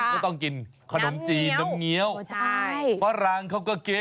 เอากินจริงหรือ